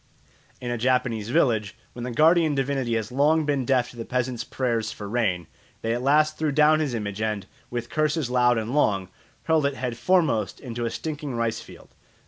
In a Japanese village, when the guardian divinity had long been deaf to the peasants' prayers for rain, they at last threw down his image and, with curses loud and long, hurled it head foremost into a stinking rice field.